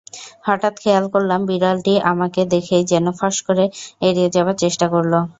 হঠাৎ খেয়াল করলাম, বিড়ালটি আমাকে দেখেই যেন ফস করে এড়িয়ে যাবার চেষ্টা করল।